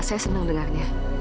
saya senang dengarnya